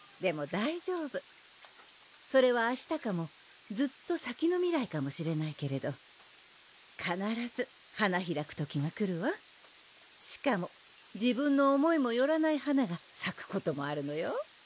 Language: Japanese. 大丈夫それは明日かもずっと先の未来かもしれないけれどかならず花開く時が来るわしかも自分の思いもよらない花がさくこともあるのよ